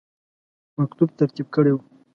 مکتوب ترتیب کړی وو.